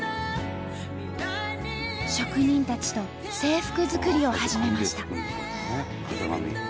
職人たちと制服作りを始めました。